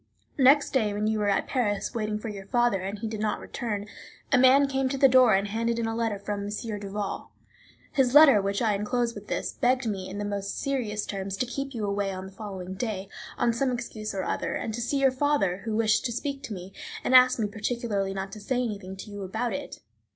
Next day, when you were at Paris, waiting for your father, and he did not return, a man came to the door and handed in a letter from M. Duval. His letter, which I inclose with this, begged me, in the most serious terms, to keep you away on the following day, on some excuse or other, and to see your father, who wished to speak to me, and asked me particularly not to say anything to you about it.